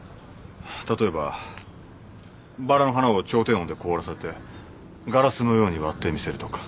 例えばバラの花を超低温で凍らせてガラスのように割ってみせるとか。